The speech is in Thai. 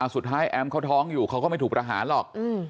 แอมเขาท้องอยู่เขาก็ไม่ถูกประหารหรอก